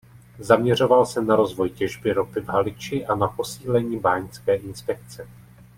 Zaměřoval se na rozvoj těžby ropy v Haliči a na posílení báňské inspekce.